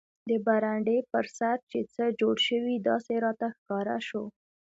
د برنډې پر سر چې څه جوړ شي داسې راته ښکاره شو.